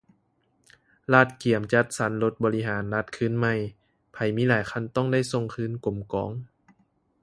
ລັດກຽມຈັດສັນລົດບໍລິຫານລັດຄືນໃໝ່ ໃຜມີຫຼາຍຄັນຕ້ອງໄດ້ສົ່ງຄືນກົມກອງ